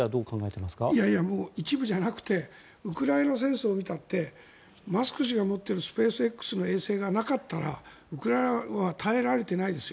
いやいや、一部じゃなくてウクライナ戦争を見たってマスク氏が持っているスペースＸの衛星がなかったらウクライナは耐えられていないですよ。